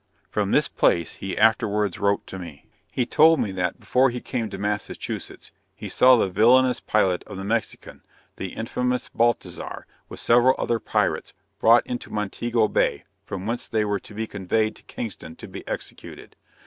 From this place, he afterwards wrote to me. He told me that before he came to Massachusetts, he saw the villainous pilot of the Mexican, the infamous Baltizar, with several other pirates, brought into Montego Bay, from whence they were to be conveyed to Kingston to be executed.